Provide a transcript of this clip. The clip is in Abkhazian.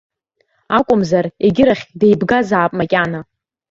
Акәымзар, егьырахь деибгазаап макьана.